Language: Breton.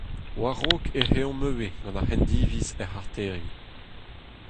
War-raok ec'h eomp ivez gant ar c'hendiviz er c'harterioù.